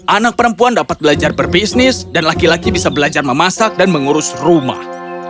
anak perempuan dapat belajar berbisnis dan laki laki bisa belajar memasak dan mengurus rumah